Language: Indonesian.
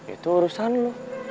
itu urusan lo